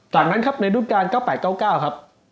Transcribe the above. จากนั้นครับในรูปการณ์๙๘๙๙ครับ